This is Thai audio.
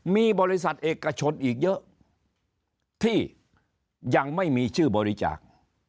มีบริษัทเอกชนอีกเยอะที่ยังไม่มีชื่อบริจาค